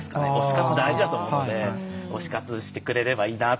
活大事だと思うので推し活してくれればいいなと思います。